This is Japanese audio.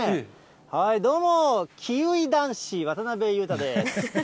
どうも、キウイ男子、渡辺裕太です。